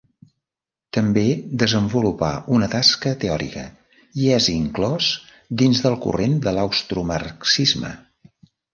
També desenvolupà una tasca teòrica, i és inclòs dins del corrent de l'austromarxisme.